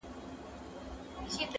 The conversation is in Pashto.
باغ او باغچه به ستا وي-